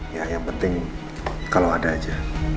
ya yang penting kalau ada aja